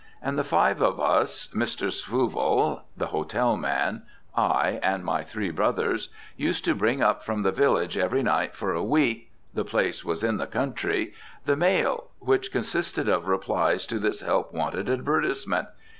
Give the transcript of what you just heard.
And the five of us, Mr. Snuvel (the hotel man), I, and my three brothers, used to bring up from the village every night for a week (the place was in the country) the mail, which consisted of replies to this help wanted advertisement.